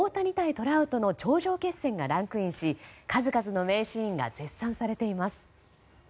トラウトの頂上決戦がランクインし数々の名シーンが絶賛されています。